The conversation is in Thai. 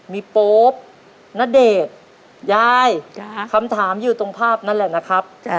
มีโป๊ปณเดชน์ยายคำถามอยู่ตรงภาพนั่นแหละนะครับ